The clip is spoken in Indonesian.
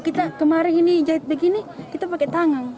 kita kemarin ini jahit begini kita pakai tangan